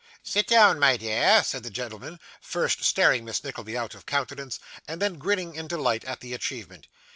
'Sit down, my dear,' said the gentleman: first staring Miss Nickleby out of countenance, and then grinning in delight at the achievement.